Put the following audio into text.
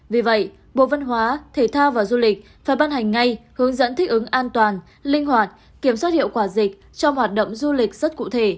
vì vậy bộ văn hóa thể thao và du lịch phải ban hành ngay hướng dẫn thích ứng an toàn linh hoạt kiểm soát hiệu quả dịch cho hoạt động du lịch rất cụ thể